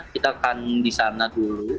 kita akan di sana dulu